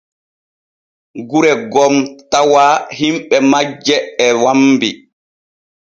Gure gom tawa himɓe majje e wambi.